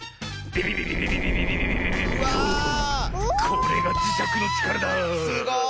これがじしゃくのちからだ。